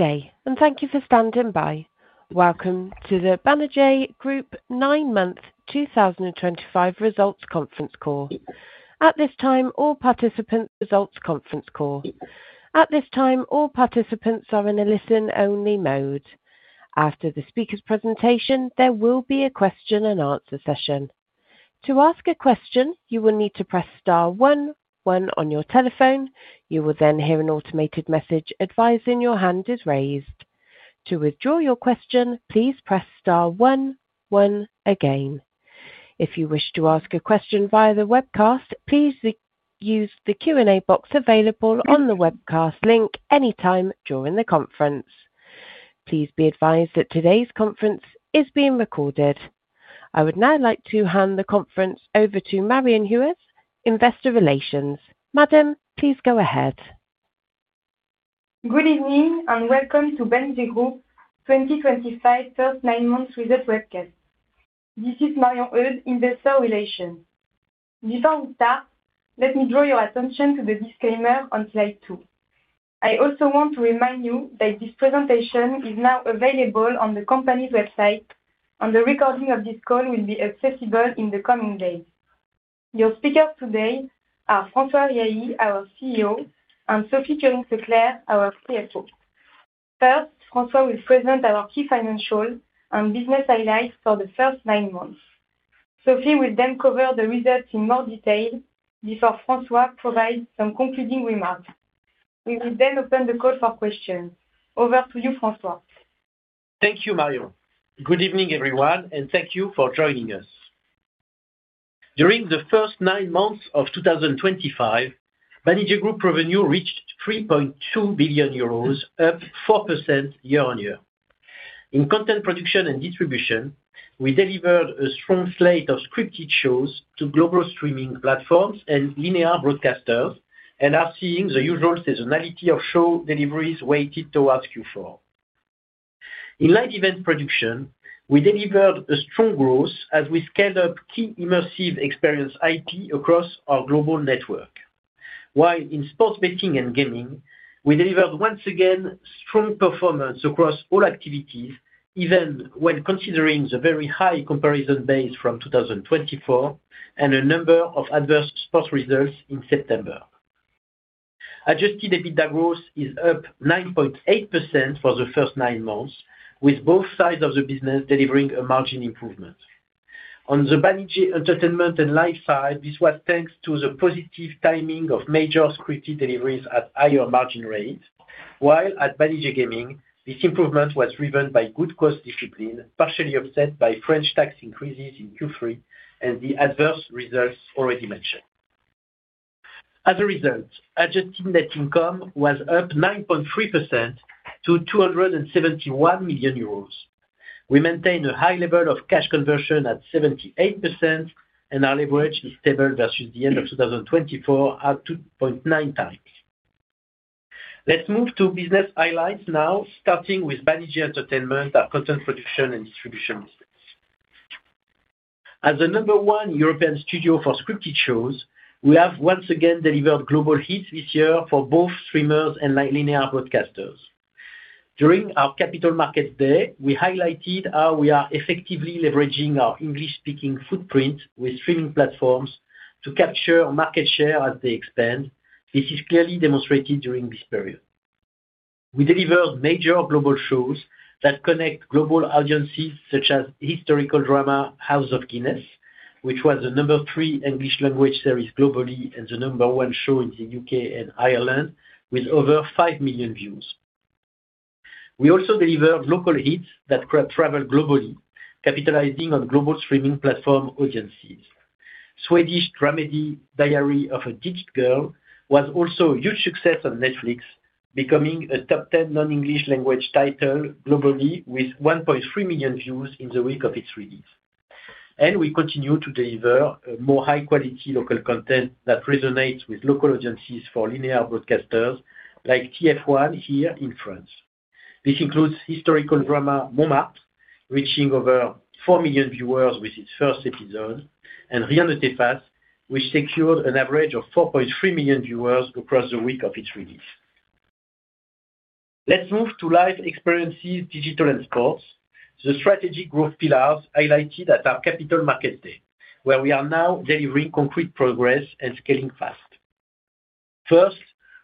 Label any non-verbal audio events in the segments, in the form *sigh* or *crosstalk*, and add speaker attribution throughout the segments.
Speaker 1: Okay, and thank you for standing by. Welcome to the Banijay Group nine month 2025 results conference call. At this time, all participants are in a listen-only mode. After the speaker's presentation, there will be a question and answer session. To ask a question, you will need to press star one, one on your telephone. You will then hear an automated message advising your hand is raised. To withdraw your question, please press star one, one again. If you wish to ask a question via the webcast, please use the Q&A box available on the webcast link anytime during the conference. Please be advised that today's conference is being recorded. I would now like to hand the conference over to Marion Heudes, Investor Relations. Madam, please go ahead.
Speaker 2: Good evening and welcome to Banijay Group 2025 first nine months result webcast. This is Marion Heudes, Investor Relations. Before we start, let me draw your attention to the disclaimer on Slide two. I also want to remind you that this presentation is now available on the company's website, and the recording of this call will be accessible in the coming days. Your speakers today are François Riahi, our CEO, and Sophie Kurinckx-Leclerc, our CFO. First, François will present our key financial and business highlights for the first nine months. Sophie will then cover the results in more detail before François provides some concluding remarks. We will then open the call for questions. Over to you, François.
Speaker 3: Thank you, Marion. Good evening, everyone, and thank you for joining us. During the first nine months of 2025, Banijay Group revenue reached 3.2 billion euros, up 4% year-on-year. In content production and distribution, we delivered a strong slate of scripted shows to global streaming platforms and linear broadcasters, and are seeing the usual seasonality of show deliveries weighted to ask you for. In live event production, we delivered strong growth as we scaled up key immersive experience IP across our global network. While in sports betting and gaming, we delivered once again strong performance across all activities, even when considering the very high comparison base from 2024 and a number of adverse sports results in September. Adjusted EBITDA growth is up 9.8% for the first nine months, with both sides of the business delivering a margin improvement. On the Banijay Entertainment and Live side, this was thanks to the positive timing of major scripted deliveries at higher margin rates, while at Banijay Gaming, this improvement was driven by good cost discipline, partially offset by French tax increases in Q3 and the adverse results already mentioned. As a result, adjusted net income was up 9.3% to 271 million euros. We maintain a high level of cash conversion at 78%, and our leverage is stable versus the end of 2024 at 2.9 times. Let's move to business highlights now, starting with Banijay Entertainment, our content production and distribution business. As the number one European studio for scripted shows, we have once again delivered global hits this year for both streamers and linear broadcasters. During our Capital Markets Day, we highlighted how we are effectively leveraging our English-speaking footprint with streaming platforms to capture market share as they expand. This is clearly demonstrated during this period. We delivered major global shows that connect global audiences, such as historical drama House of Guinness, which was the number three English-language series globally and the number one show in the U.K. and Ireland, with over 5 million views. We also delivered local hits that traveled globally, capitalizing on global streaming platform audiences. Swedish dramedy Diary of a Ditched Girl was also a huge success on Netflix, becoming a top 10 non-English-language title globally with 1.3 million views in the week of its release. We continue to deliver more high-quality local content that resonates with local audiences for linear broadcasters like TF1 here in France. This includes historical drama Montmartre, reaching over 4 million viewers with its first episode, and Rien Ne T'Efface, which secured an average of 4.3 million viewers across the week of its release. Let's move to live experiences, digital, and sports, the strategic growth pillars highlighted at our Capital Markets Day, where we are now delivering concrete progress and scaling fast. First,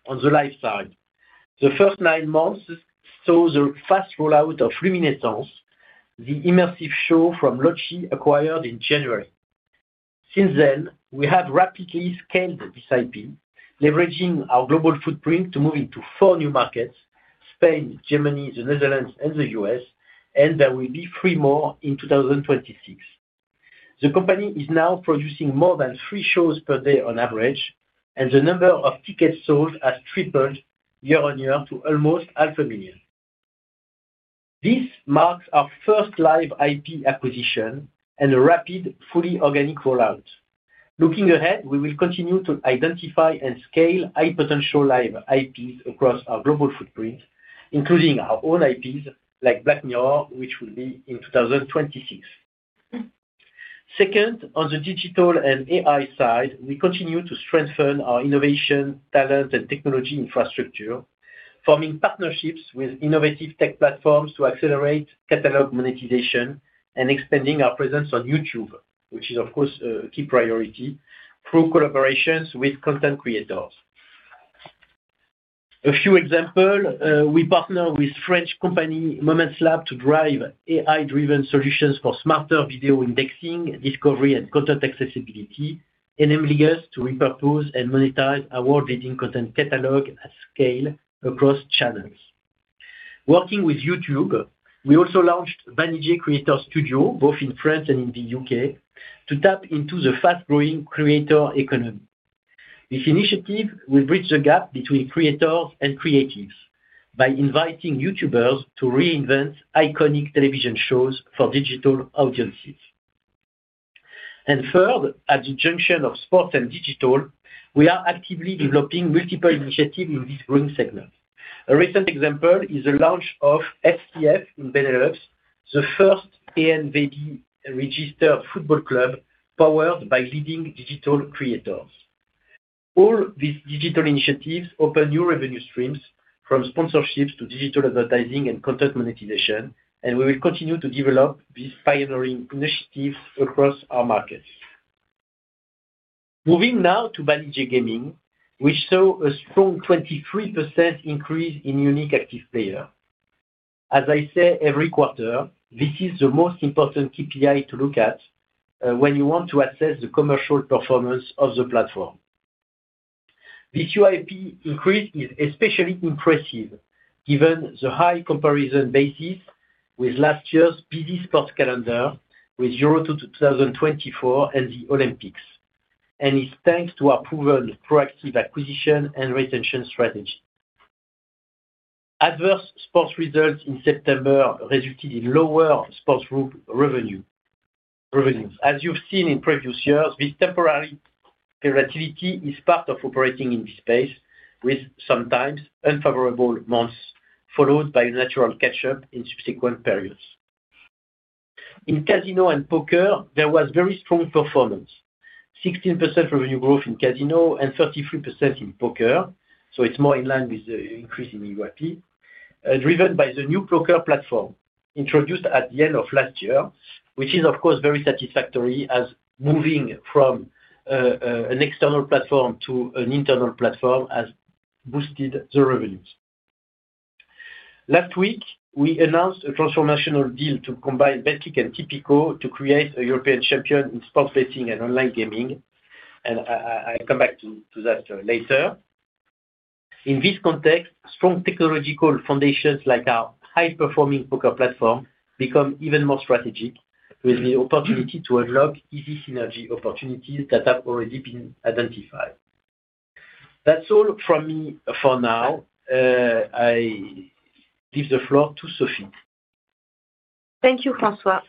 Speaker 3: on the live side, the first nine months saw the fast rollout of Luminescence, the immersive show from LOTCHI acquired in January. Since then, we have rapidly scaled this IP, leveraging our global footprint to move into four new markets: Spain, Germany, the Netherlands, and the U.S., and there will be three more in 2026. The company is now producing more than three shows per day on average, and the number of tickets sold has tripled year-on-year to almost 500,000. This marks our first live IP acquisition and a rapid, fully organic rollout. Looking ahead, we will continue to identify and scale high-potential live IPs across our global footprint, including our own IPs like Black Mirror, which will be in 2026. Second, on the digital and AI side, we continue to strengthen our innovation, talent, and technology infrastructure, forming partnerships with innovative tech platforms to accelerate catalog monetization and expanding our presence on YouTube, which is, of course, a key priority, through collaborations with content creators. A few examples: we partner with the French company MomentsLab to drive AI-driven solutions for smarter video indexing, discovery, and content accessibility, enabling us to repurpose and monetize our leading content catalog at scale across channels. Working with YouTube, we also launched Banijay Creator Studio, both in France and in the U.K., to tap into the fast-growing creator economy. This initiative will bridge the gap between creators and creatives by inviting YouTubers to reinvent iconic television shows for digital audiences. Third, at the junction of sports and digital, we are actively developing multiple initiatives in this growing segment. A recent example is the launch of SCF in Benelux, the first ANVB-registered football club powered by leading digital creators. All these digital initiatives open new revenue streams, from sponsorships to digital advertising and content monetization, and we will continue to develop these pioneering initiatives across our markets. Moving now to Banijay Gaming, which saw a strong 23% increase in unique active players. As I say every quarter, this is the most important KPI to look at when you want to assess the commercial performance of the platform. This UIP increase is especially impressive given the high comparison basis with last year's busy sports calendar, with Euro 2024 and the Olympics, and it's thanks to our proven proactive acquisition and retention strategy. Adverse sports results in September resulted in lower sports revenues. As you've seen in previous years, this temporary volatility is part of operating in this space, with sometimes unfavorable months followed by a natural catch-up in subsequent periods. In casino and poker, there was very strong performance: 16% revenue growth in casino and 33% in poker, so it's more in line with the increase in UIP, driven by the new poker platform introduced at the end of last year, which is, of course, very satisfactory as moving from an external platform to an internal platform has boosted the revenues. Last week, we announced a transformational deal to combine Betclic and Tipico to create a European champion in sports betting and online gaming, and I'll come back to that later. In this context, strong technological foundations like our high-performing poker platform become even more strategic, with the opportunity to unlock easy synergy opportunities that have already been identified. That's all from me for now. I give the floor to Sophie.
Speaker 4: Thank you, François.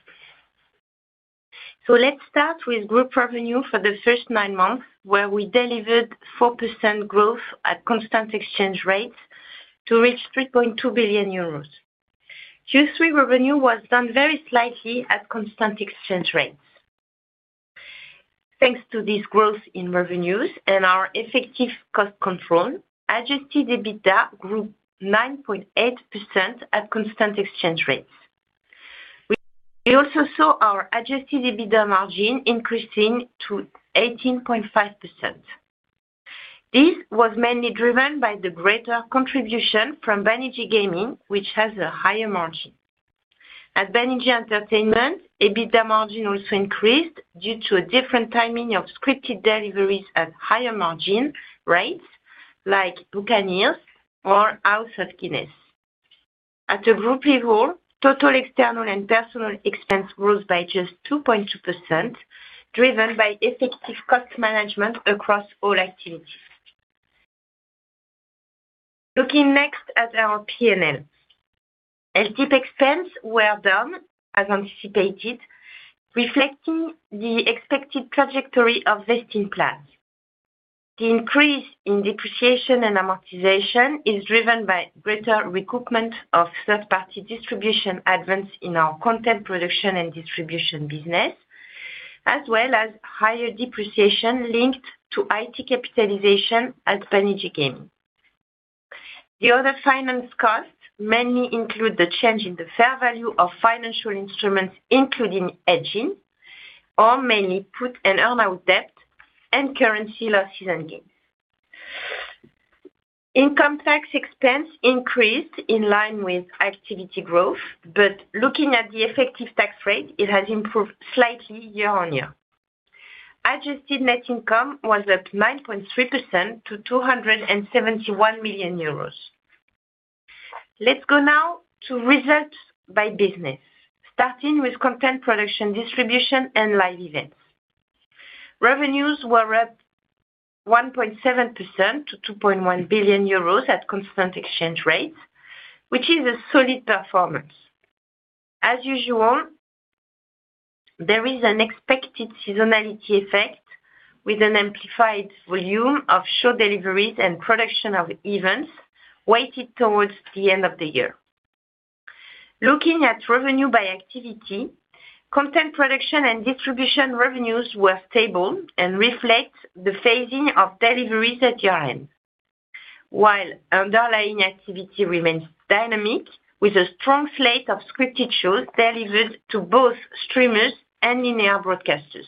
Speaker 4: Let's start with group revenue for the first nine months, where we delivered 4% growth at constant exchange rates to reach 3.2 billion euros. Q3 revenue was down very slightly at constant exchange rates. Thanks to this growth in revenues and our effective cost control, adjusted EBITDA grew 9.8% at constant exchange rates. We also saw our adjusted EBITDA margin increasing to 18.5%. This was mainly driven by the greater contribution from Banijay Gaming, which has a higher margin. At Banijay Entertainment, EBITDA margin also increased due to a different timing of scripted deliveries at higher margin rates like Buccaneers or House of Guinness. At the group level, total external and personnel expense grows by just 2.2%, driven by effective cost management across all activities. Looking next at our P&L. LTP expenses were down as anticipated, reflecting the expected trajectory of vesting plans. The increase in depreciation and amortization is driven by greater recoupment of third-party distribution advance in our content production and distribution business, as well as higher depreciation linked to IT capitalization at Banijay Gaming. The other finance costs mainly include the change in the fair value of financial instruments, including hedging, or mainly put and earn-out debt, and currency losses and gains. Income tax expense increased in line with activity growth, but looking at the effective tax rate, it has improved slightly year-on-year. Adjusted net income was up 9.3% to 271 million euros. Let's go now to results by business, starting with content production, distribution, and live events. Revenues were up 1.7% to 2.1 billion euros at constant exchange rates, which is a solid performance. As usual, there is an expected seasonality effect with an amplified volume of show deliveries and production of events weighted towards the end of the year. Looking at revenue by activity, content production and distribution revenues were stable and reflect the phasing of deliveries at year-end. While underlying activity remains dynamic, with a strong slate of scripted shows delivered to both streamers and linear broadcasters.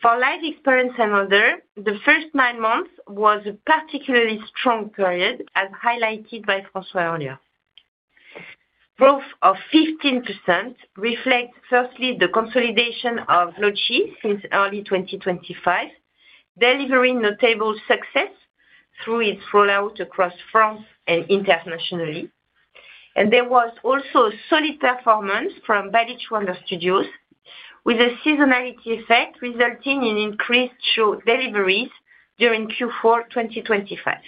Speaker 4: For live experience and other, the first nine months was a particularly strong period, as highlighted by François earlier. Growth of 15% reflects firstly the consolidation of LOTCHI since early 2025. Delivering notable success through its rollout across France and internationally. There was also a solid performance from Banijay Wonder Studios, with a seasonality effect resulting in increased show deliveries during Q4 2025.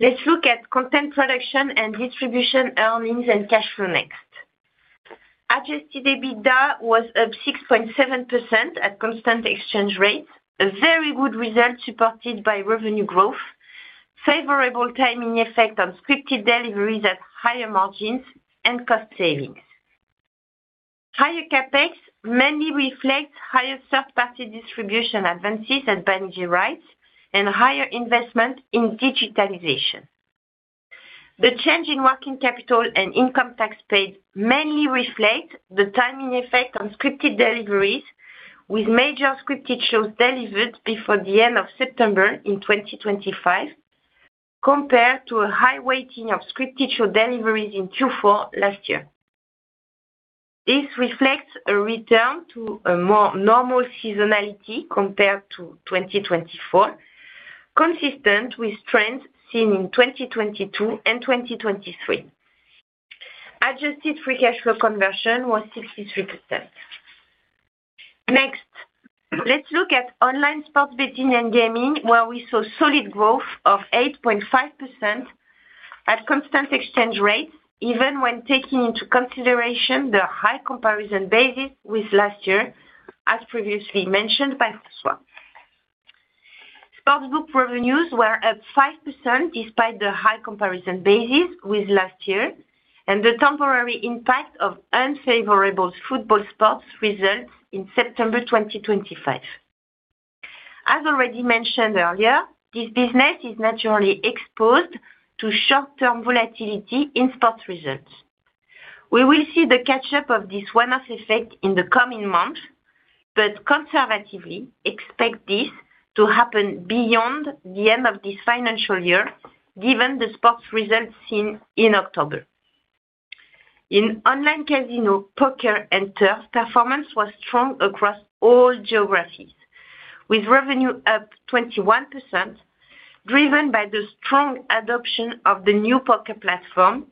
Speaker 4: Let's look at content production and distribution earnings and cash flow next. Adjusted EBITDA was up 6.7% at constant exchange rates, a very good result supported by revenue growth, favorable timing effect on scripted deliveries at higher margins and cost savings. Higher CapEx mainly reflects higher third-party distribution advances at Banijay Rights and higher investment in digitalization. The change in working capital and income tax paid mainly reflects the timing effect on scripted deliveries, with major scripted shows delivered before the end of September in 2025, compared to a high weighting of scripted show deliveries in Q4 last year. This reflects a return to a more normal seasonality compared to 2024, consistent with trends seen in 2022 and 2023. Adjusted free cash flow conversion was 63%. Next, let's look at online sports betting and gaming, where we saw solid growth of 8.5% at constant exchange rates, even when taking into consideration the high comparison basis with last year, as previously mentioned by François. Sportsbook revenues were up 5% despite the high comparison basis with last year, and the temporary impact of unfavorable football sports results in September 2025. As already mentioned earlier, this business is naturally exposed to short-term volatility in sports results. We will see the catch-up of this one-off effect in the coming months, but conservatively, expect this to happen beyond the end of this financial year, given the sports results seen in October. In online casino, poker, and turf, performance was strong across all geographies, with revenue up 21%. Driven by the strong adoption of the new poker platform.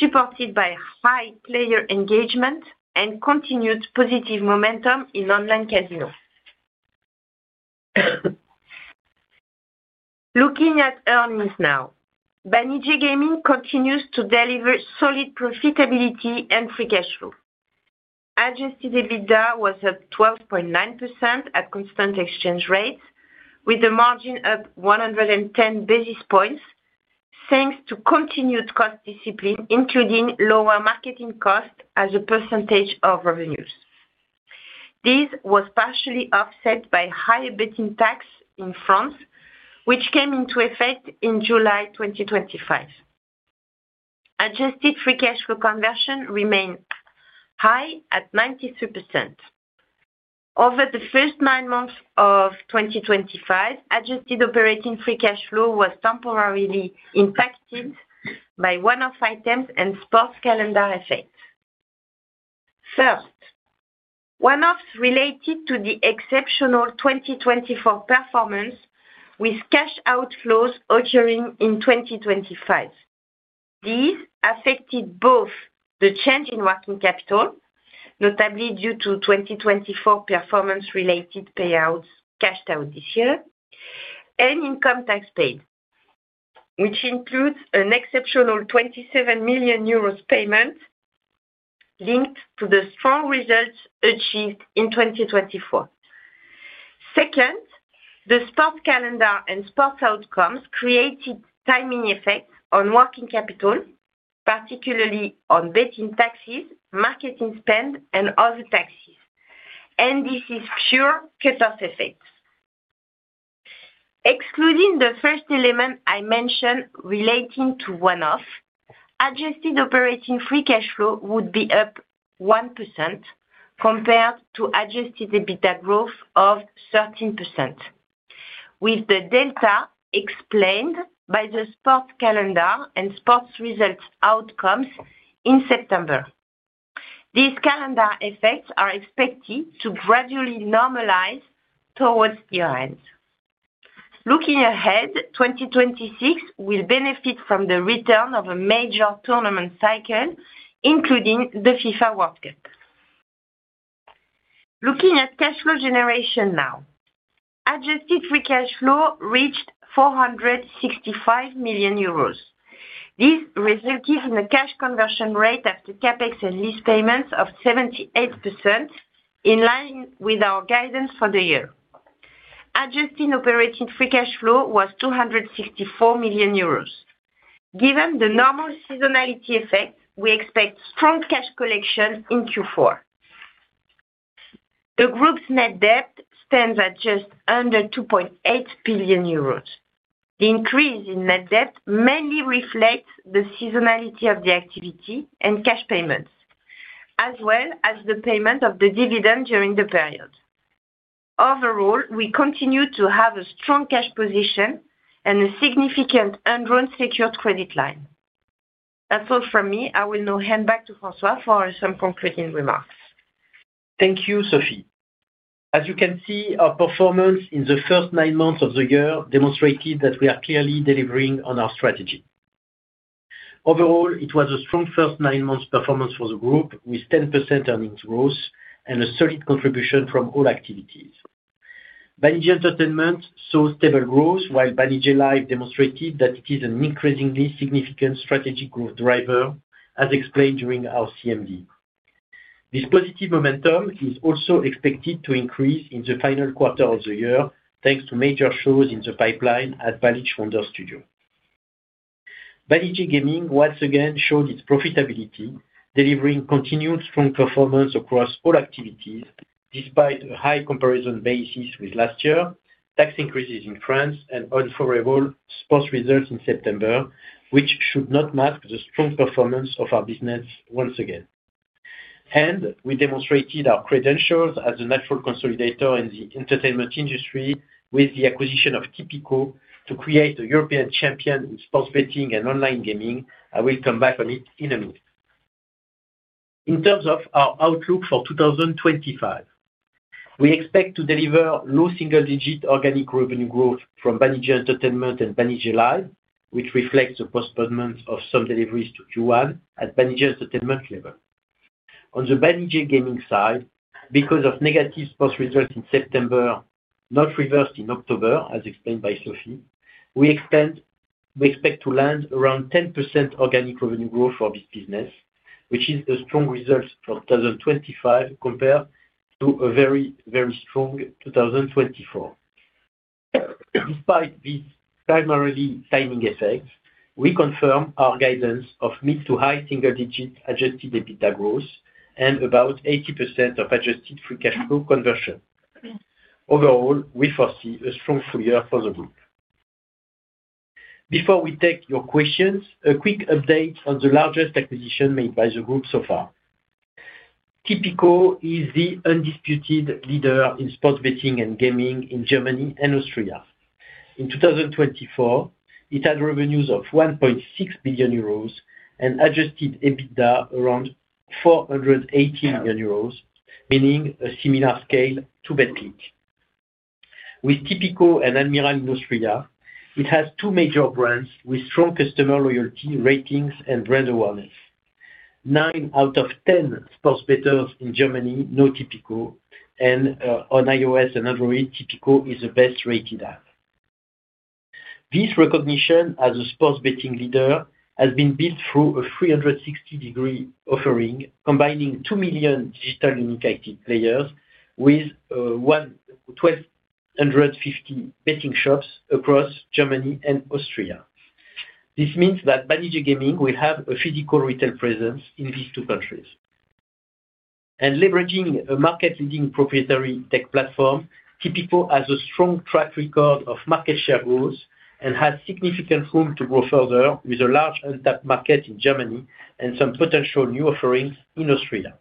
Speaker 4: Supported by high player engagement and continued positive momentum in online casino. Looking at earnings now, Banijay Gaming continues to deliver solid profitability and free cash flow. Adjusted EBITDA was up 12.9% at constant exchange rates, with a margin of 110 basis points, thanks to continued cost discipline, including lower marketing costs as a percentage of revenues. This was partially offset by higher betting tax in France, which came into effect in July 2025. Adjusted free cash flow conversion remained high at 93%. Over the first nine months of 2025, adjusted operating free cash flow was temporarily impacted by one-off items and sports calendar effects. First, one-offs related to the exceptional 2024 performance, with cash outflows occurring in 2025. These affected both the change in working capital, notably due to 2024 performance-related payouts cashed out this year, and income tax paid, which includes an exceptional 27 million euros payment linked to the strong results achieved in 2024. Second, the sports calendar and sports outcomes created timing effects on working capital, particularly on betting taxes, marketing spend, and other taxes. This is pure cut-off effects. Excluding the first element I mentioned relating to one-off, adjusted operating free cash flow would be up 1% compared to adjusted EBITDA growth of 13%, with the delta explained by the sports calendar and sports results outcomes in September. These calendar effects are expected to gradually normalize towards year-end. Looking ahead, 2026 will benefit from the return of a major tournament cycle, including the FIFA World Cup. Looking at cash flow generation now. Adjusted free cash flow reached 465 million euros. This resulted in a cash conversion rate after CapEx and lease payments of 78%. In line with our guidance for the year. Adjusted operating free cash flow was 264 million euros. Given the normal seasonality effect, we expect strong cash collection in Q4. The group's net debt stands at just under 2.8 billion euros. The increase in net debt mainly reflects the seasonality of the activity and cash payments, as well as the payment of the dividend during the period. Overall, we continue to have a strong cash position. And a significant unwritten secured credit line. That's all from me. I will now hand back to François for some concluding remarks.
Speaker 3: Thank you, Sophie. As you can see, our performance in the first nine months of the year demonstrated that we are clearly delivering on our strategy. Overall, it was a strong first nine months performance for the group, with 10% earnings growth and a solid contribution from all activities. Banijay Entertainment saw stable growth, while Banijay Live demonstrated that it is an increasingly significant strategic growth driver, as explained during our CMD. This positive momentum is also expected to increase in the final quarter of the year, thanks to major shows in the pipeline at Banijay Wonder Studios. Banijay Gaming once again showed its profitability, delivering continued strong performance across all activities despite a high comparison basis with last year, tax increases in France, and unfavorable sports results in September, which should not mask the strong performance of our business once again. We demonstrated our credentials as a natural consolidator in the entertainment industry with the acquisition of Tipico to create a European champion in sports betting and online gaming. I will come back on it in a minute. In terms of our outlook for 2025, we expect to deliver low single-digit organic revenue growth from Banijay Entertainment and Banijay Live, which reflects the postponement of some deliveries to Q1 at the Banijay Entertainment level. On the Banijay Gaming side, because of negative sports results in September, not reversed in October, as explained by Sophie, we expect to land around 10% organic revenue growth for this business, which is a strong result for 2025 compared to a very, very strong 2024. Despite these primarily timing effects, we confirm our guidance of mid to high single-digit adjusted EBITDA growth and about 80% of adjusted free cash flow conversion. Overall, we foresee a strong full year for the group. Before we take your questions, a quick update on the largest acquisition made by the group so far. Tipico is the undisputed leader in sports betting and gaming in Germany and Austria. In 2024, it had revenues of 1.6 billion euros and adjusted EBITDA around 480 million euros, meaning a similar scale to Betclic. With Tipico and Admiral in Austria, it has two major brands with strong customer loyalty ratings and brand awareness. Nine out of 10 sports bettors in Germany know Tipico, and on iOS and Android, Tipico is the best-rated app. This recognition as a sports betting leader has been built through a 360-degree offering, combining 2 million digital unique IT players with 1,250 betting shops across Germany and Austria. This means that Banijay Gaming will have a physical retail presence in these two countries. Leveraging a market-leading proprietary tech platform, Tipico has a strong track record of market share growth and has significant room to grow further with a large untapped market in Germany and some potential new offerings in Austria.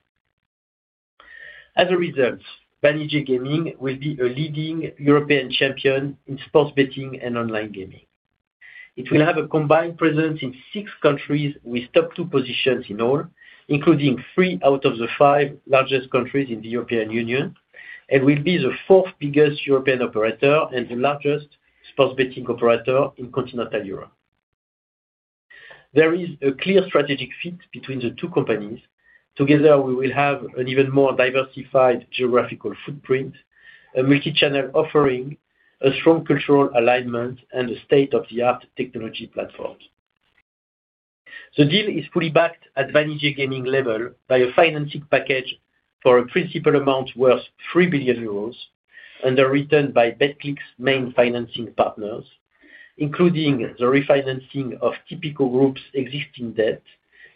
Speaker 3: As a result, Banijay Gaming will be a leading European champion in sports betting and online gaming. It will have a combined presence in six countries with top two positions in all, including three out of the five largest countries in the European Union, and will be the fourth biggest European operator and the largest sports betting operator in continental Europe. There is a clear strategic fit between the two companies. Together, we will have an even more diversified geographical footprint, a multi-channel offering, a strong cultural alignment, and state-of-the-art technology platforms. The deal is fully backed at Banijay Gaming level by a financing package for a principal amount worth 3 billion euros and a return by Betclic's main financing partners, including the refinancing of Tipico Group's existing debt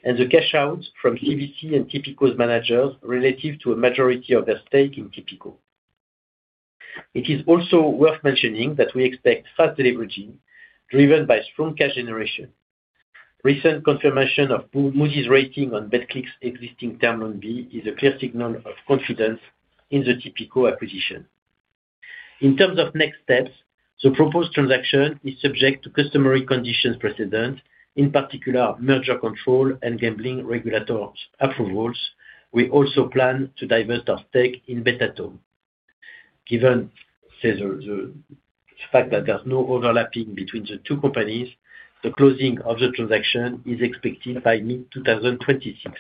Speaker 3: and the cash out from CVC and Tipico's managers relative to a majority of their stake in Tipico. It is also worth mentioning that we expect fast delivery driven by strong cash generation. Recent confirmation of Moody's rating on Betclic's existing Term Loan B is a clear signal of confidence in the Tipico acquisition. In terms of next steps, the proposed transaction is subject to customary conditions precedent, in particular, merger control and gambling regulator approvals. We also plan to divest our stake in Betatom. Given the fact that there's no overlapping between the two companies, the closing of the transaction is expected by mid-2026.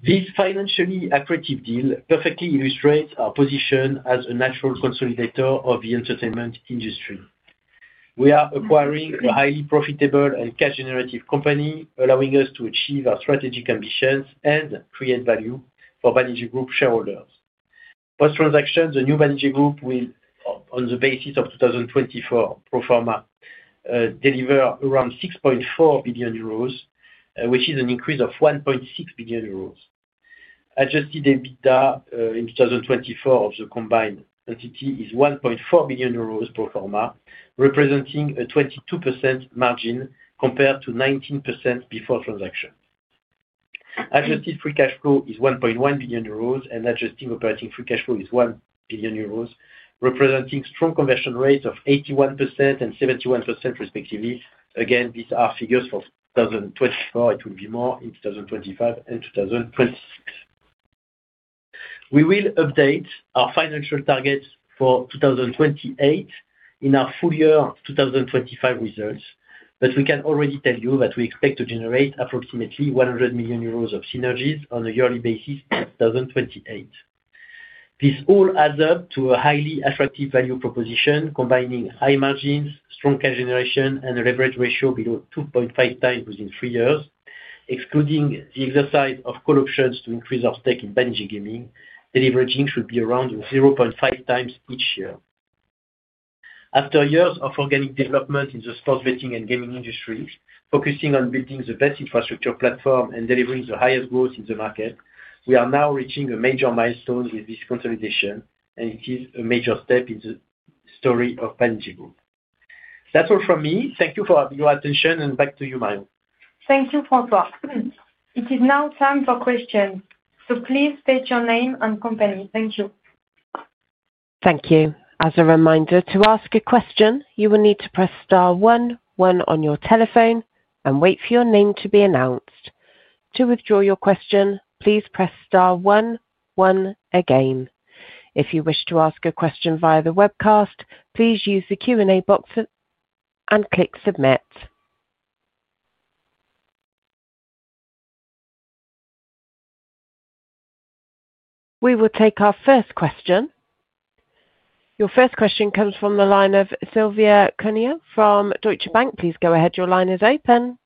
Speaker 3: This financially accurate deal perfectly illustrates our position as a natural consolidator of the entertainment industry. We are acquiring a highly profitable and cash-generative company, allowing us to achieve our strategic ambitions and create value for Banijay Group shareholders. Post-transaction, the new Banijay Group will, on the basis of 2024 pro forma, deliver around 6.4 billion euros, which is an increase of 1.6 billion euros. Adjusted EBITDA in 2024 of the combined entity is 1.4 billion euros pro forma, representing a 22% margin compared to 19% before transaction. Adjusted free cash flow is 1.1 billion euros, and adjusted operating free cash flow is 1 billion euros, representing strong conversion rates of 81% and 71%, respectively. Again, these are figures for 2024. It will be more in 2025 and 2026. We will update our financial targets for 2028 in our full year 2025 results, but we can already tell you that we expect to generate approximately 100 million euros of synergies on a yearly basis in 2028. This all adds up to a highly attractive value proposition, combining high margins, strong cash generation, and a leverage ratio below 2.5 times within three years. Excluding the exercise of call options to increase our stake in Banijay Gaming, the leveraging should be around 0.5 times each year. After years of organic development in the sports betting and gaming industry, focusing on building the best infrastructure platform and delivering the highest growth in the market, we are now reaching a major milestone with this consolidation, and it is a major step in the story of Banijay Group. That's all from me. Thank you for your attention, and back to you, Marion.
Speaker 2: Thank you, François. It is now time for questions. Please state your name and company. Thank you.
Speaker 1: Thank you. As a reminder, to ask a question, you will need to press star one one on your telephone and wait for your name to be announced. To withdraw your question, please press star one one again. If you wish to ask a question via the webcast, please use the Q&A box and click submit. We will take our first question. Your first question comes from the line of Silvia Cuneo from Deutsche Bank. Please go ahead. Your line is open.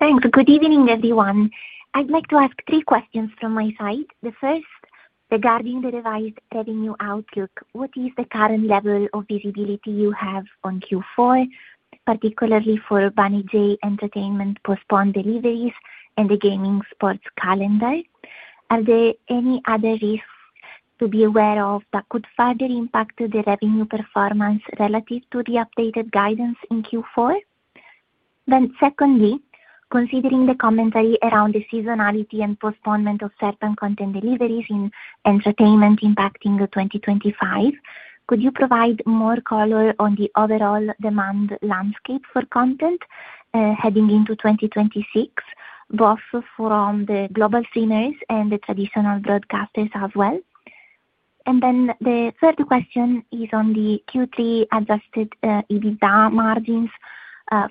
Speaker 5: Thanks. Good evening, everyone. I'd like to ask three questions from my side. The first, regarding the revised revenue outlook, what is the current level of visibility you have on Q4, particularly for Banijay Entertainment postponed deliveries and the gaming sports calendar? Are there any other risks to be aware of that could further impact the revenue performance relative to the updated guidance in Q4? Secondly, considering the commentary around the seasonality and postponement of certain content deliveries in entertainment impacting 2025. Could you provide more color on the overall demand landscape for content heading into 2026, both from the global streamers and the traditional broadcasters as well? The third question is on the Q3 adjusted EBITDA margins.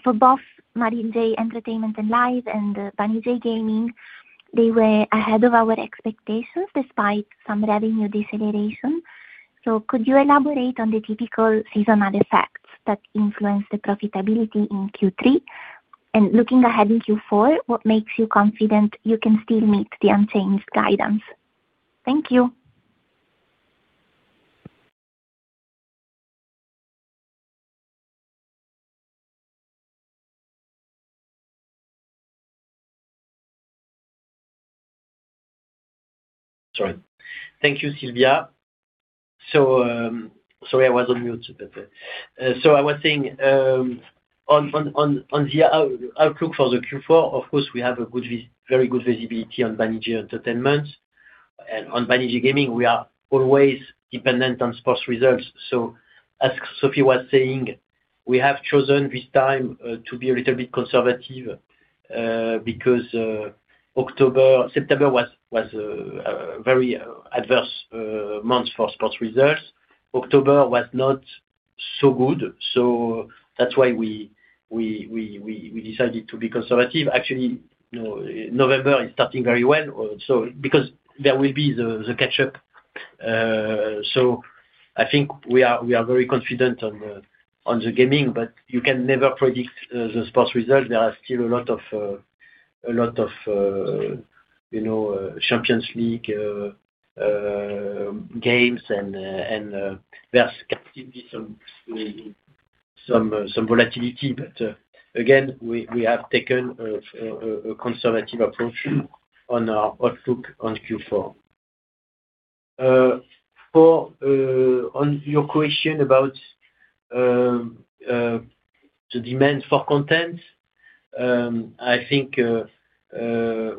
Speaker 5: For both Banijay Entertainment and Live and Banijay Gaming, they were ahead of our expectations despite some revenue deceleration. Could you elaborate on the typical seasonal effects that influence the profitability in Q3? Looking ahead in Q4, what makes you confident you can still meet the unchanged guidance? Thank you.
Speaker 3: Sorry. Thank you, Silvia. Sorry, I was on mute. I was saying, on the outlook for Q4, of course, we have very good visibility on Banijay Entertainment. On Banijay Gaming, we are always dependent on sports results. As Sophie was saying, we have chosen this time to be a little bit conservative because September was a very adverse month for sports results. October was not so good, so that is why we decided to be conservative. Actually, November is starting very well because there will be the catch-up. I think we are very confident on the gaming, but you can never predict the sports results. There are still a lot of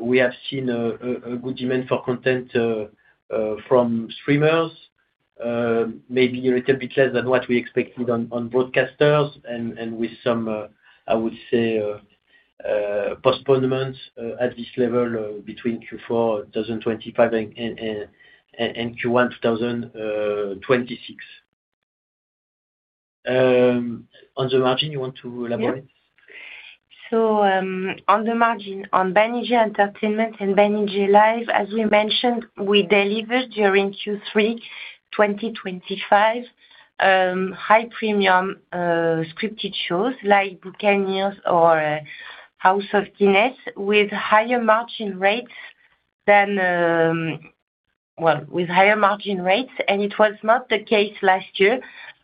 Speaker 3: we have seen a good demand for content from streamers. Maybe a little bit less than what we expected on broadcasters, and with some, I would say, postponements at this level between Q4 2025 and Q1 2026. On the margin, you want to elaborate?
Speaker 4: Yes. On the margin, on Banijay Entertainment and Banijay Live, as we mentioned, we delivered during Q3 2025 high-premium scripted shows like Buccaneers or House of Guinness with higher margin rates than, well, with higher margin rates. It was not the case last year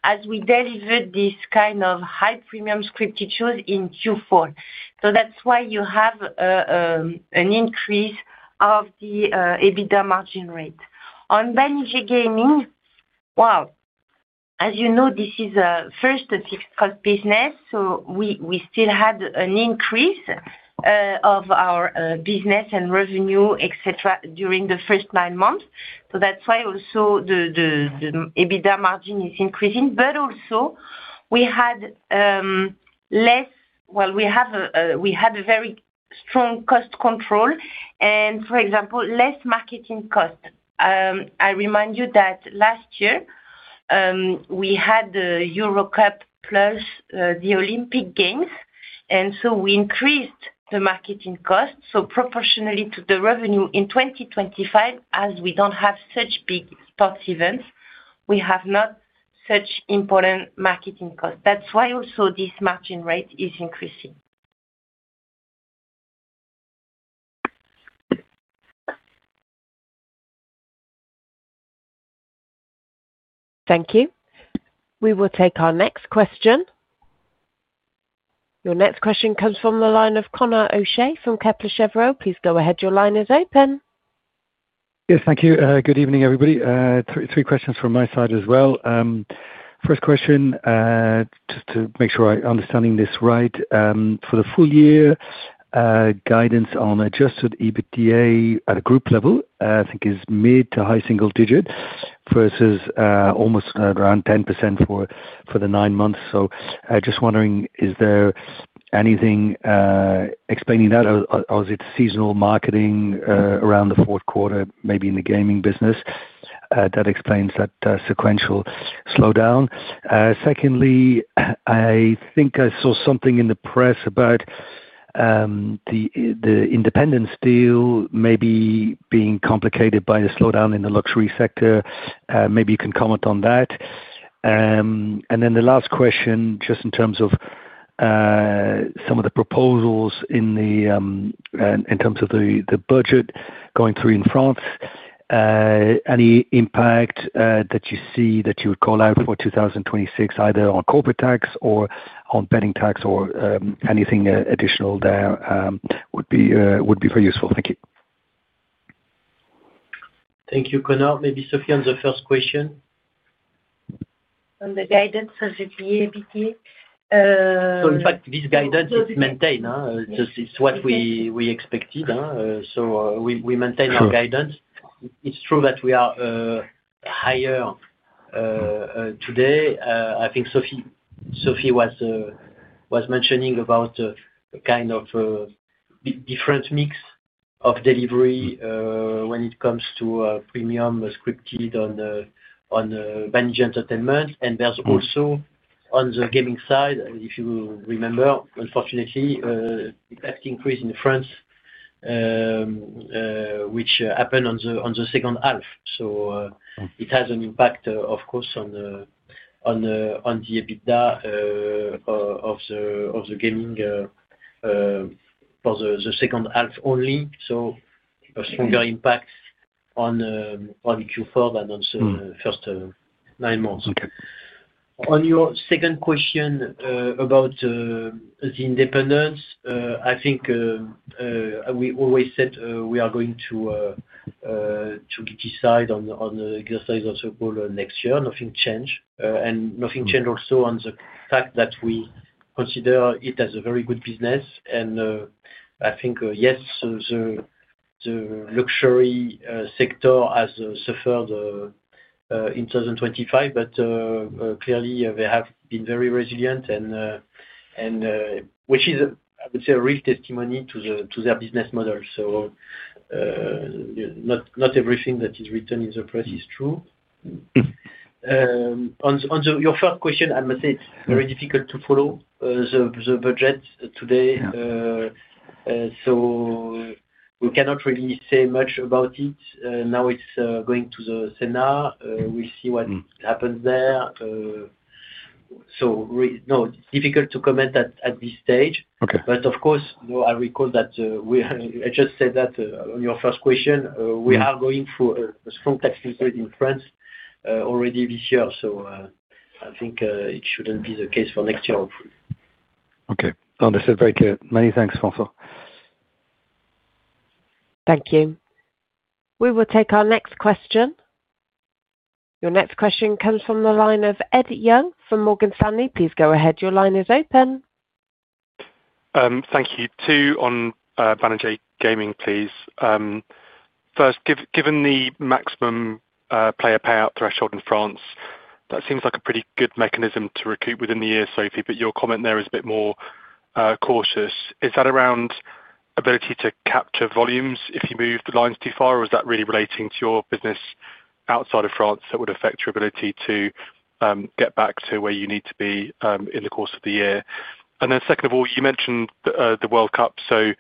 Speaker 4: as we delivered this kind of high-premium scripted shows in Q4. That is why you have an increase of the EBITDA margin rate. On Banijay Gaming, as you know, this is a first fixed-cost business, so we still had an increase of our business and revenue, etc., during the first nine months. That is why also the EBITDA margin is increasing. Also, we had less, well, we had a very strong cost control, and for example, less marketing cost. I remind you that last year we had the Euro Cup plus the Olympic Games, and so we increased the marketing cost. Proportionally to the revenue in 2025, as we do not have such big sports events, we have not such important marketing costs. That is why also this margin rate is increasing.
Speaker 1: Thank you. We will take our next question. Your next question comes from the line of Conor O'Shea from Kepler Cheuvreux. Please go ahead. Your line is open.
Speaker 6: Yes, thank you. Good evening, everybody. Three questions from my side as well. First question. Just to make sure I'm understanding this right. For the full year, guidance on adjusted EBITDA at a group level, I think, is mid to high single digit versus almost around 10% for the nine months. Just wondering, is there anything explaining that? Is it seasonal marketing around the fourth quarter, maybe in the gaming business, that explains that sequential slowdown? Secondly, I think I saw something in the press about The Independents deal maybe being complicated by a slowdown in the luxury sector. Maybe you can comment on that. The last question, just in terms of some of the proposals in terms of the budget going through in France. Any impact that you see that you would call out for 2026, either on corporate tax or on betting tax or anything additional there would be very useful. Thank you.
Speaker 4: Thank you, Conor. Maybe Sophie on the first question. On the guidance of the EBITDA.
Speaker 3: In fact, this guidance is maintained. It's what we expected. We maintain our guidance. It's true that we are higher today. I think Sophie was mentioning a kind of different mix of delivery when it comes to premium scripted on Banijay Entertainment. There's also, on the gaming side, if you remember, unfortunately, the tax increase in France, which happened in the second half. It has an impact, of course, on the EBITDA of the gaming for the second half only. A stronger impact on Q4 than on the first nine months. On your second question about The Independents, I think we always said we are going to decide on the exercise of the goal next year. Nothing changed. Nothing changed also on the fact that we consider it as a very good business. I think, yes, the luxury sector has suffered. In 2025, but clearly, they have been very resilient, which is, I would say, a real testimony to their business model. Not everything that is written in the press is true. On your first question, I must say it's very difficult to follow. The budget today. We cannot really say much about it. Now it's going to the. *audio distortion* We'll see what happens there. No, it's difficult to comment at this stage. Of course, I recall that. I just said that on your first question, we are going for a strong tax increase in France already this year. I think it shouldn't be the case for next year, hopefully.
Speaker 6: Okay. Understood. Very clear. Many thanks, François.
Speaker 1: Thank you. We will take our next question. Your next question comes from the line of Ed Young from Morgan Stanley. Please go ahead. Your line is open.
Speaker 7: Thank you. Two on Banijay Gaming, please. First, given the maximum player payout threshold in France, that seems like a pretty good mechanism to recoup within the year, Sophie, but your comment there is a bit more cautious. Is that around ability to capture volumes if you move the lines too far, or is that really relating to your business outside of France that would affect your ability to get back to where you need to be in the course of the year? And then second of all, you mentioned the World Cup. I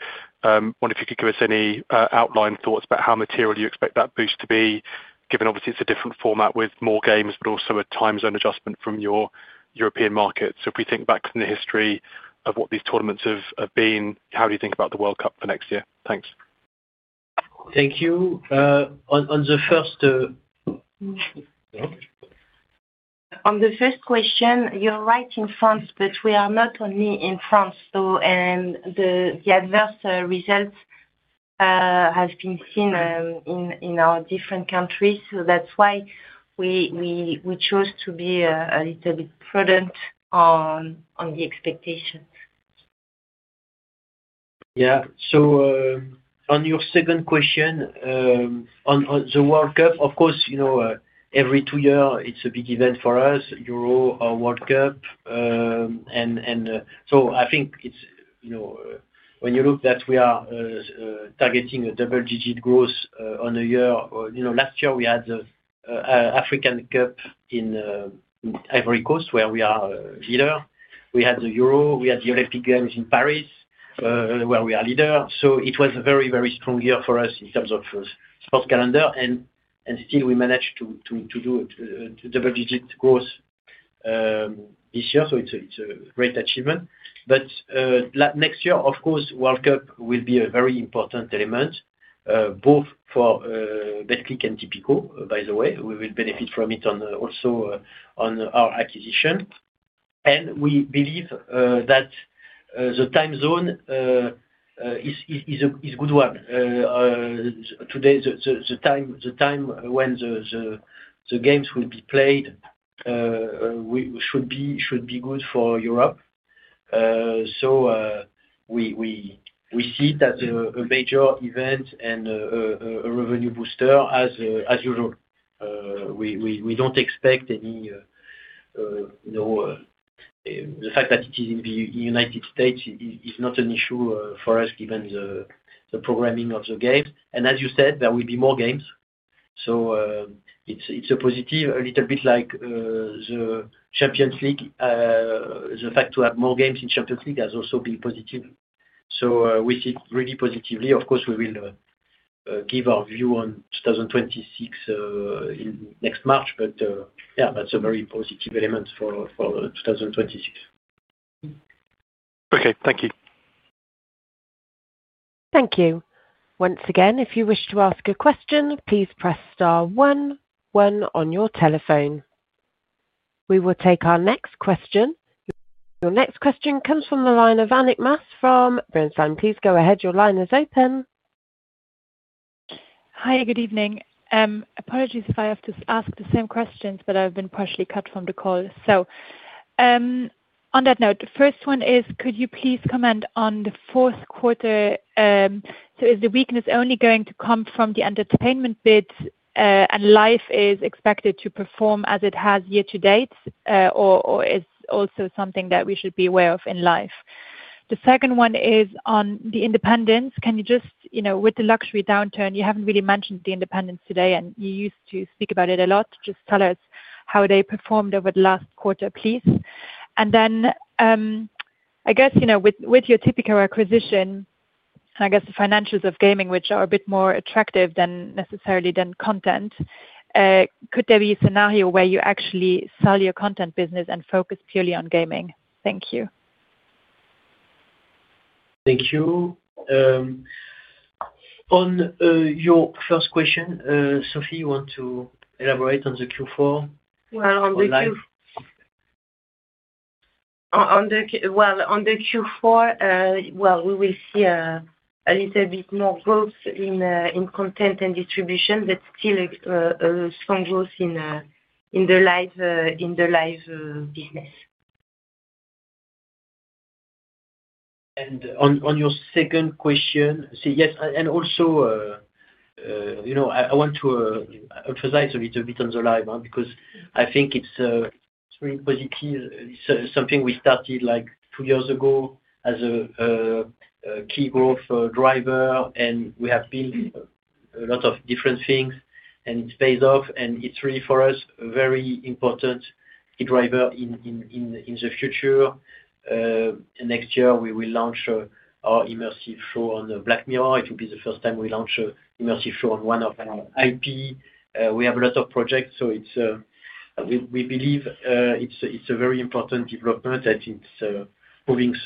Speaker 7: wonder if you could give us any outline thoughts about how material you expect that boost to be, given, obviously, it's a different format with more games, but also a time zone adjustment from your European market. If we think back in the history of what these tournaments have been, how do you think about the World Cup for next year? Thanks.
Speaker 3: Thank you. On the first.
Speaker 4: On the first question, you're right in France, but we are not only in France. The adverse results have been seen in our different countries. That's why we chose to be a little bit prudent on the expectations.
Speaker 3: Yeah. On your second question. On the World Cup, of course, every two years, it's a big event for us, Euro or World Cup. I think when you look that we are targeting a double-digit growth on a year. Last year, we had the African Cup in Ivory Coast, where we are leader. We had the Euro. We had the Olympic Games in Paris, where we are leader. It was a very, very strong year for us in terms of sports calendar. Still, we managed to do a double-digit growth this year. It's a great achievement. Next year, of course, World Cup will be a very important element, both for Betclic and Tipico, by the way. We will benefit from it also on our acquisition. We believe that the time zone is a good one. Today, the time when. The games will be played. Should be good for Europe. We see it as a major event and a revenue booster, as usual. We do not expect any. The fact that it is in the United States is not an issue for us, given the programming of the games. As you said, there will be more games. It is a positive, a little bit like the Champions League. The fact to have more games in Champions League has also been positive. We see it really positively. Of course, we will give our view on 2026 in next March. Yeah, that is a very positive element for 2026.
Speaker 7: Okay. Thank you.
Speaker 1: Thank you. Once again, if you wish to ask a question, please press star one, one on your telephone. We will take our next question. Your next question comes from the line of Annik Maas from Bernstein. Please go ahead. Your line is open.
Speaker 8: Hi, good evening. Apologies if I have to ask the same questions, but I've been partially cut from the call. On that note, the first one is, could you please comment on the fourth quarter? Is the weakness only going to come from the entertainment bit, and Live is expected to perform as it has year to date, or is there also something that we should be aware of in Live? The second one is on The Independents. With the luxury downturn, you haven't really mentioned The Independents today, and you used to speak about it a lot. Just tell us how they performed over the last quarter, please. I guess with your Tipico acquisition, and I guess the financials of gaming, which are a bit more attractive necessarily than content. Could there be a scenario where you actually sell your content business and focus purely on gaming? Thank you.
Speaker 3: Thank you. On your first question, Sophie, you want to elaborate on the Q4?
Speaker 4: On the Q. On the Q4. We will see a little bit more growth in content and distribution, but still a strong growth in the live business.
Speaker 3: On your second question, yes. Also, I want to emphasize a little bit on the live because I think it's really positive. It's something we started like two years ago as a key growth driver, and we have been a lot of different things, and it pays off. It's really for us a very important key driver in the future. Next year, we will launch our immersive show on Black Mirror. It will be the first time we launch an immersive show on one of our IP. We have a lot of projects, so we believe it's a very important development, and it's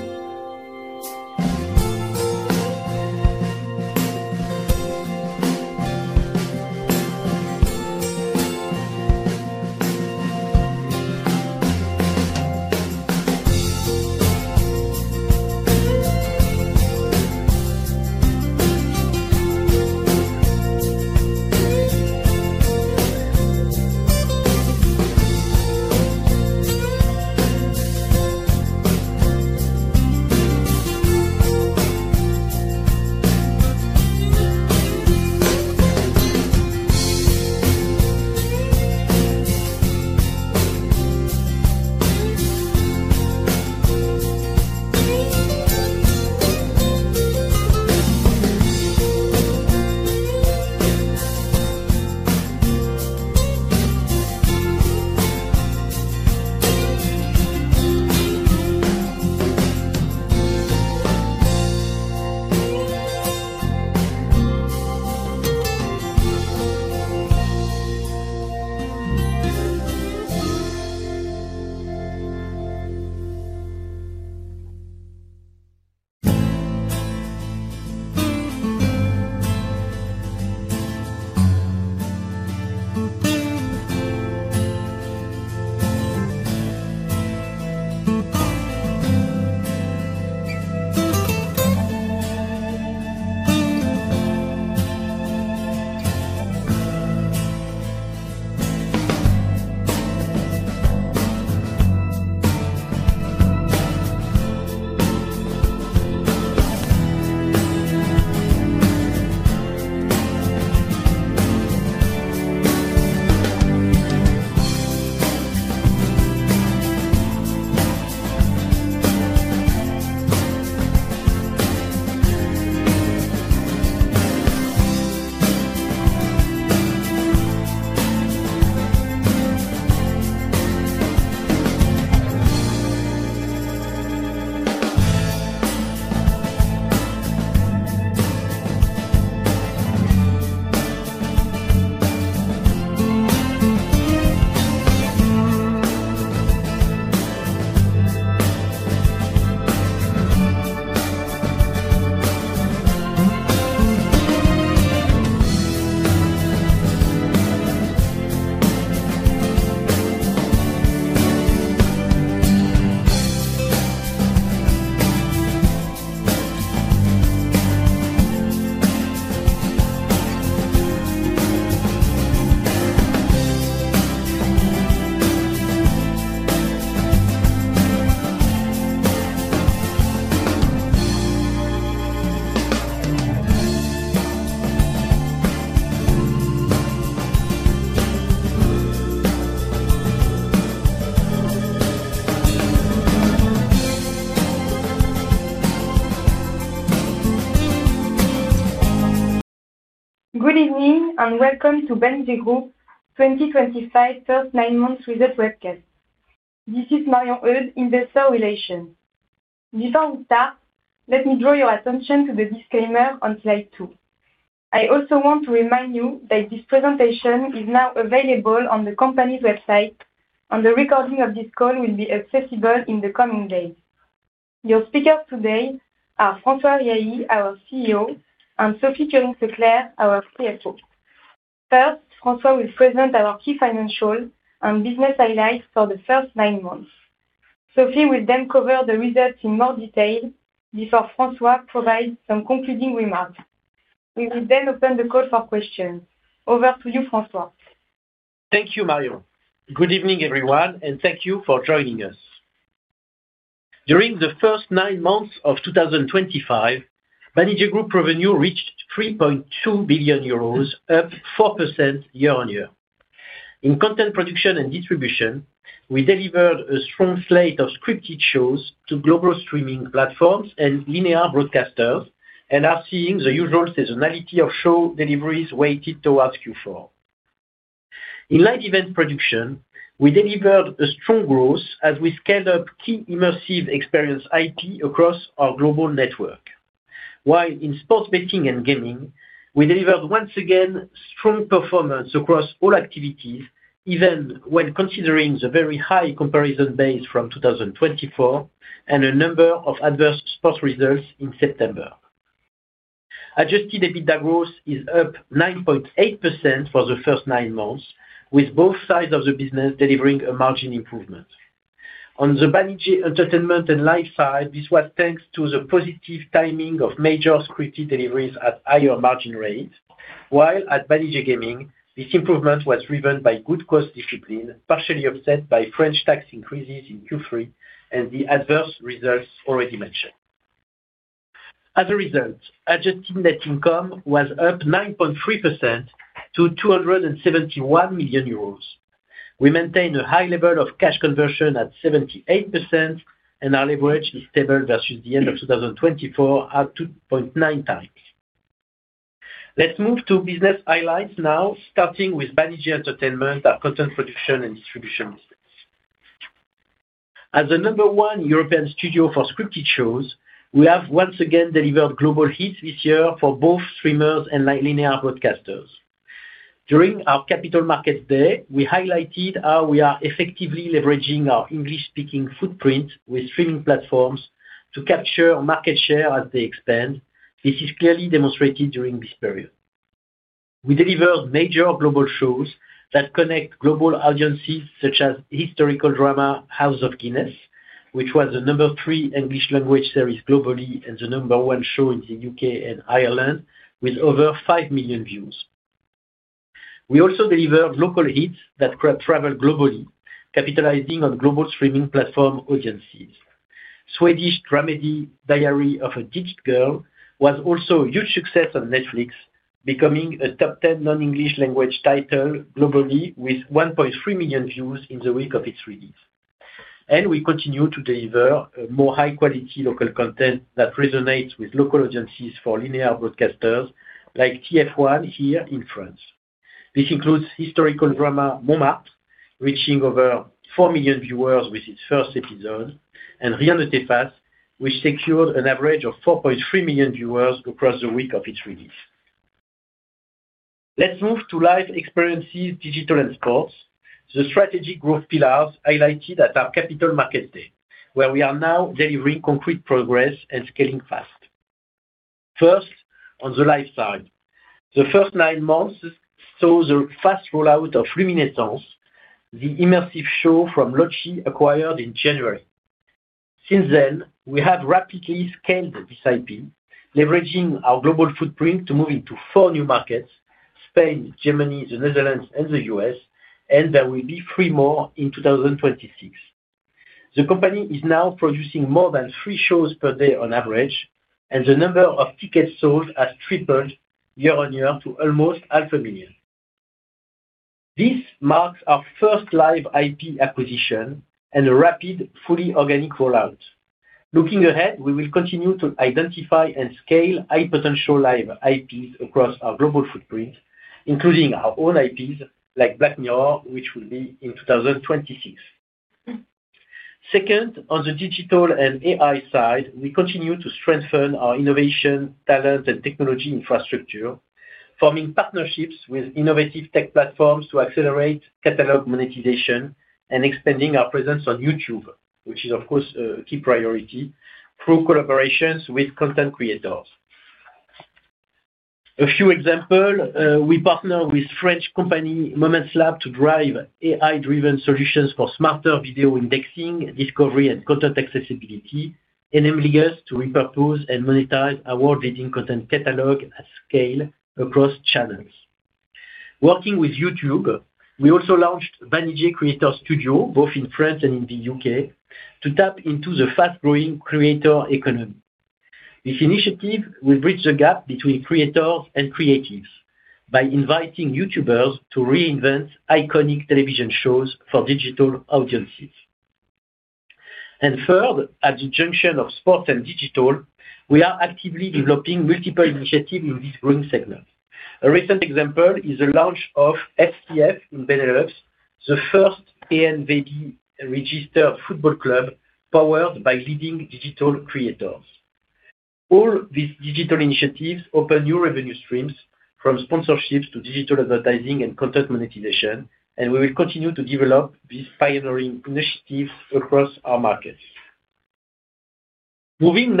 Speaker 3: moving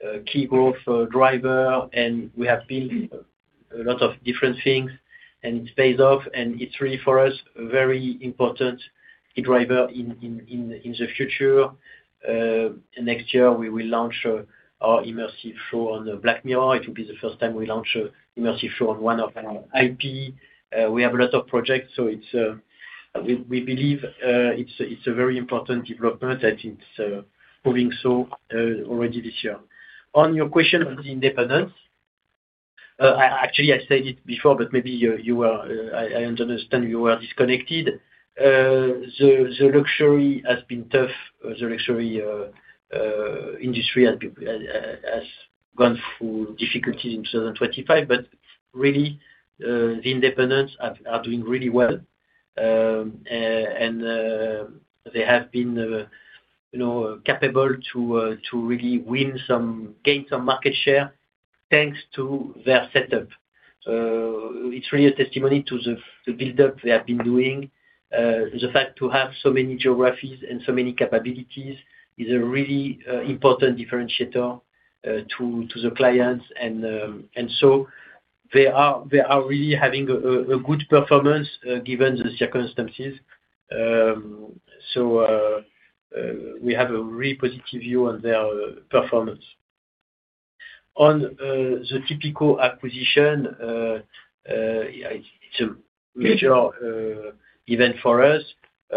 Speaker 3: so already this year. On your question of The Independents, actually, I said it before, but maybe I understand you were disconnected. The luxury has been tough. The luxury industry has gone through difficulties in 2025, but really, The Independents are doing really well. They have been capable to really gain some market share thanks to their setup. It's really a testimony to the buildup they have been doing. The fact to have so many geographies and so many capabilities is a really important differentiator to the clients. They are really having a good performance given the circumstances. We have a really positive view on their performance. On the Tipico acquisition, it's a major event for us.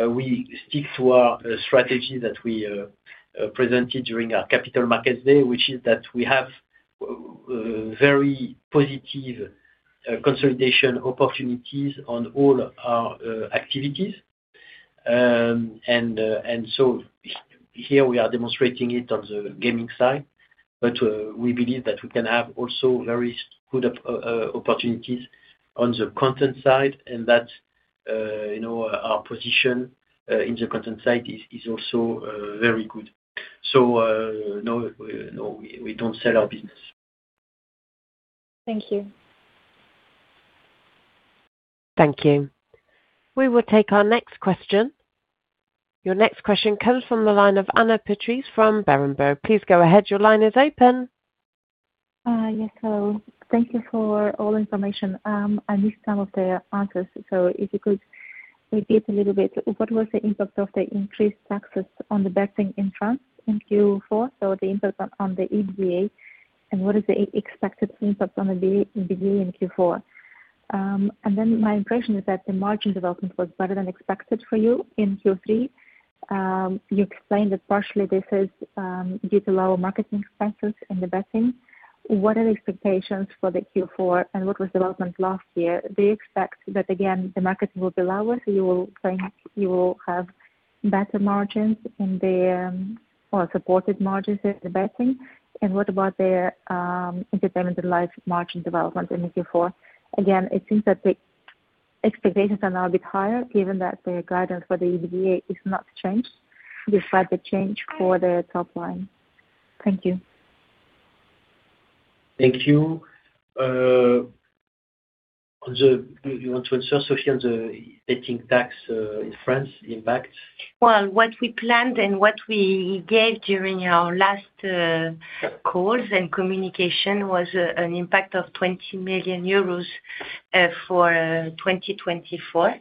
Speaker 3: We stick to our strategy that we presented during our Capital Markets Day, which is that we have very positive consolidation opportunities on all our activities. Here we are demonstrating it on the gaming side, but we believe that we can have also very good opportunities on the content side, and that. Our position in the content side is also very good. No, we don't sell our business.
Speaker 8: Thank you.
Speaker 1: Thank you. We will take our next question. Your next question comes from the line of Anna Patrice from Berenberg. Please go ahead. Your line is open.
Speaker 9: Yes. Thank you for all the information. I missed some of the answers. If you could repeat a little bit, what was the impact of the increased taxes on the betting in France in Q4? The impact on the EBITDA, and what is the expected impact on the EBITDA in Q4? My impression is that the margin development was better than expected for you in Q3. You explained that partially this is due to lower marketing expenses in the betting. What are the expectations for Q4, and what was development last year? Do you expect that, again, the market will be lower, so you will have better margins or supported margins in the betting? What about the entertainment and live margin development in Q4? Again, it seems that the expectations are now a bit higher, given that the guidance for the EBITDA is not changed, despite the change for the top line. Thank you.
Speaker 3: Thank you. You want to answer, Sophie, on the betting tax in France, the impact?
Speaker 4: What we planned and what we gave during our last calls and communication was an impact of 20 million euros for 2024.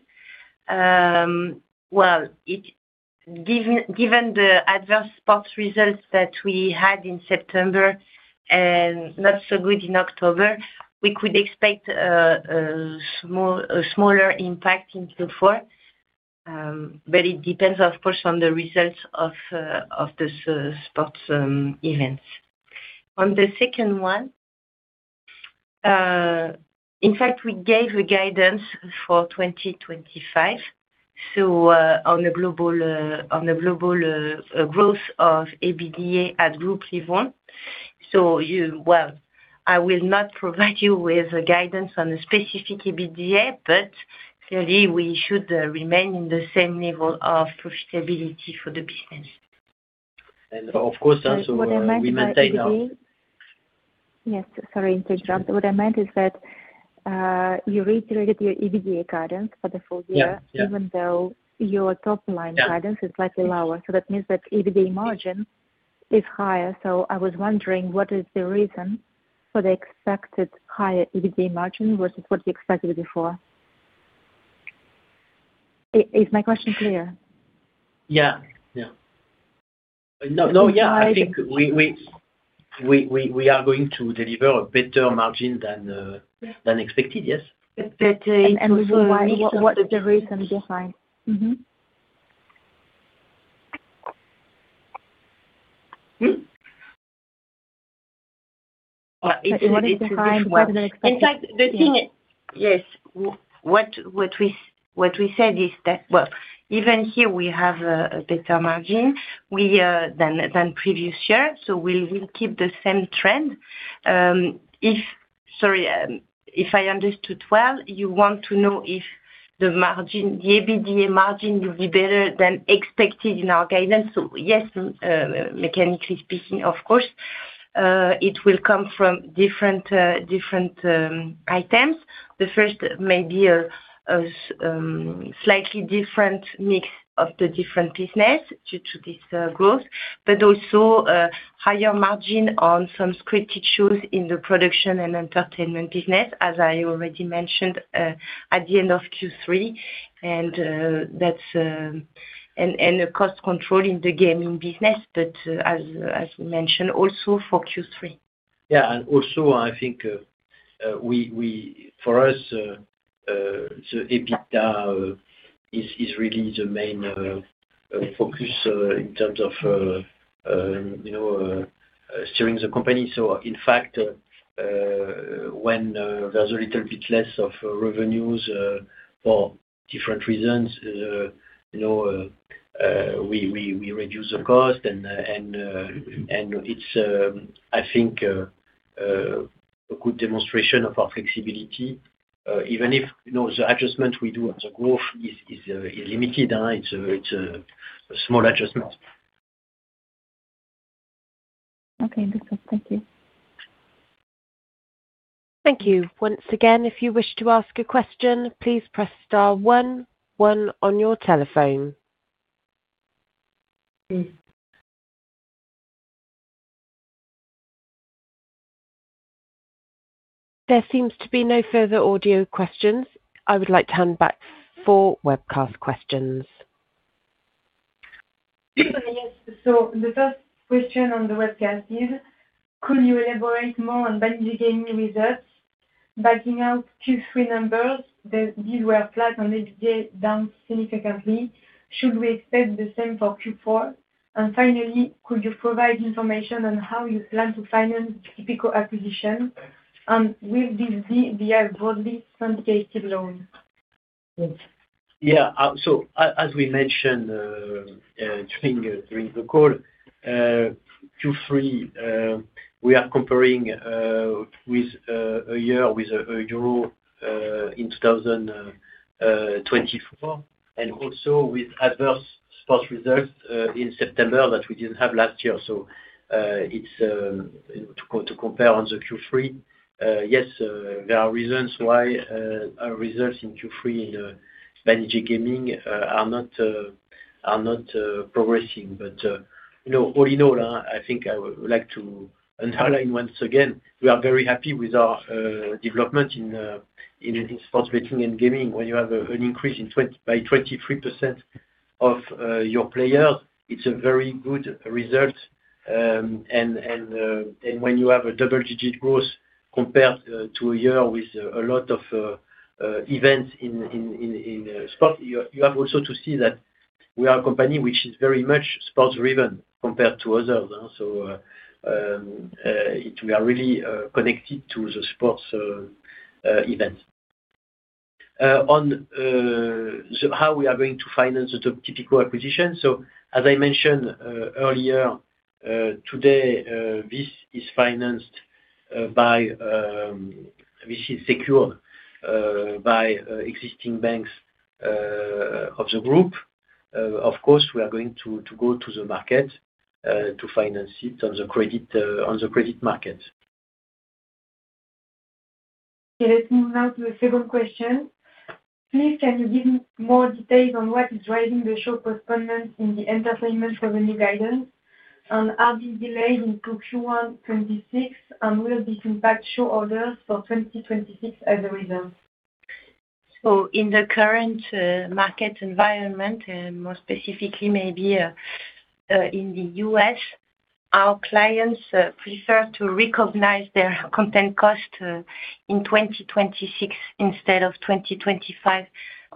Speaker 4: Given the adverse sports results that we had in September and not so good in October, we could expect a smaller impact in Q4. It depends, of course, on the results of the sports events. On the second one, in fact, we gave a guidance for 2025 on the global growth of EBITDA at group level. I will not provide you with a guidance on a specific EBITDA, but clearly, we should remain in the same level of profitability for the business.
Speaker 3: Of course, we maintain our.
Speaker 9: What I meant is— Yes. Sorry to interrupt. What I meant is that you reiterated your EBITDA guidance for the full year, even though your top line guidance is slightly lower. That means that EBITDA margin is higher. I was wondering, what is the reason for the expected higher EBITDA margin versus what you expected before? Is my question clear?
Speaker 3: Yeah. Yeah. No, yeah. I think we are going to deliver a better margin than expected, yes.
Speaker 9: What is the reason behind?
Speaker 4: It's a different one. It's like the thing—yes. What we said is that, even here, we have a better margin than previous year. We will keep the same trend. Sorry, if I understood well, you want to know if the EBITDA margin will be better than expected in our guidance? Yes, mechanically speaking, of course. It will come from different items. The first may be a slightly different mix of the different business due to this growth, but also higher margin on some scripted shows in the production and entertainment business, as I already mentioned at the end of Q3. A cost control in the gaming business, as we mentioned also for Q3.
Speaker 3: Yeah. I think for us, EBITDA is really the main focus in terms of steering the company. In fact, when there's a little bit less of revenues for different reasons, we reduce the cost. I think it's a good demonstration of our flexibility. Even if the adjustment we do on the growth is limited, it's a small adjustment.
Speaker 9: Okay. That's all. Thank you.
Speaker 1: Thank you. Once again, if you wish to ask a question, please press star one, one on your telephone. There seems to be no further audio questions. I would like to hand back for webcast questions.
Speaker 2: Yes. The first question on the webcast is, could you elaborate more on Banijay Gaming results? Backing out Q3 numbers, these were flat on EBITDA, down significantly. Should we expect the same for Q4? Finally, could you provide information on how you plan to finance the Tipico acquisition? Will this be a broadly syndicated loan?
Speaker 3: Yeah. As we mentioned during the call, Q3, we are comparing a year with a Euro 2024, and also with adverse sports results in September that we did not have last year. It is to compare on the Q3. Yes, there are reasons why our results in Q3 in Banijay Gaming are not progressing. All in all, I think I would like to underline once again, we are very happy with our development in sports betting and gaming. When you have an increase by 23% of your players, it is a very good result. When you have a double-digit growth compared to a year with a lot of events in sport, you also have to see that we are a company which is very much sports-driven compared to others. We are really connected to the sports events. On how we are going to finance the Tipico acquisition. As I mentioned earlier, today, this is financed by. This is secured by existing banks of the group. Of course, we are going to go to the market to finance it on the credit market.
Speaker 2: Okay. Let's move now to the second question. Please, can you give more details on what is driving the show postponement in the entertainment revenue guidance? Are these delays in Q1 2026, and will this impact show orders for 2026 as a result?
Speaker 4: In the current market environment, and more specifically maybe in the U.S., our clients prefer to recognize their content cost in 2026 instead of 2025.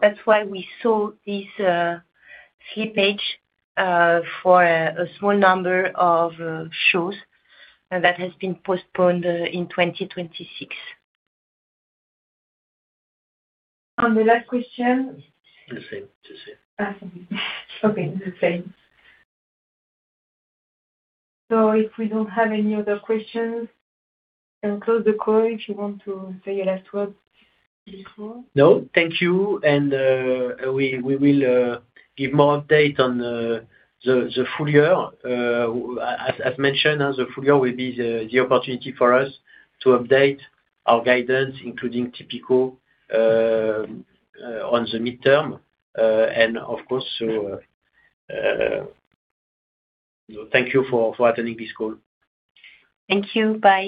Speaker 4: That is why we saw this slippage for a small number of shows that have been postponed in 2026.
Speaker 2: The last question.
Speaker 3: The same.
Speaker 2: Okay. The same. If we do not have any other questions, we can close the call if you want to say your last words.
Speaker 3: No, thank you. We will give more updates on the full year. As mentioned, the full year will be the opportunity for us to update our guidance, including Tipico, on the midterm. Of course, thank you for attending this call. Thank you. Bye.